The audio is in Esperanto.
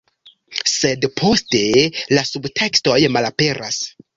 Sed poste, la subtekstoj malaperas.